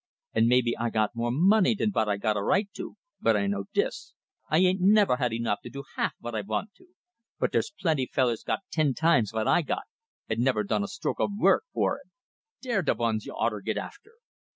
And maybe I got more money dan vot I got a right to, but I know dis I ain't never had enough to do half vot I vant to! But dere's plenty fellers got ten times vot I got, and never done a stroke o' vork fer it. Dey're de vuns y'oughter git after!"